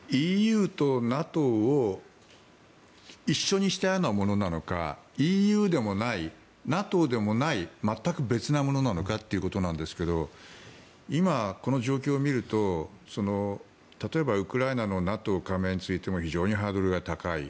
ＥＵとＮＡＴＯを一緒にしたようなものなのかＥＵでもないＮＡＴＯでもない全く別なものなのかということですが今、この状況を見ると例えば、ウクライナのＮＡＴＯ加盟についても非常にハードルが高い。